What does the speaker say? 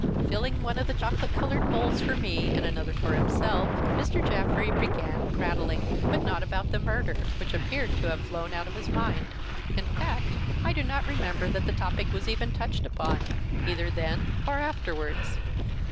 Filling one of the chocolate colored bowls for me and another for himself, Mr. Jaffrey began prattling; but not about the murder, which appeared to have flown out of his mind. In fact, I do not remember that the topic was even touched upon, either then or afterwards.